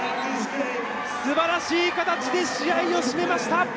すばらしい形で試合を締めました。